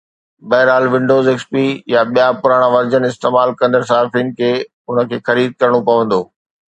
بهرحال، Windows, XP يا ٻيا پراڻا ورجن استعمال ڪندڙ صارفين کي ان کي خريد ڪرڻو پوندو